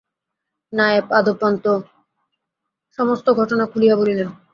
নায়েব আদ্যোপান্ত সমস্ত ঘটনা খুলিয়া বলিলেন।